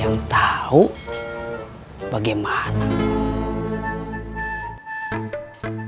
buat ku ke ajak sedikit